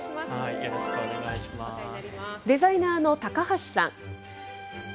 デザイナーの高橋さん。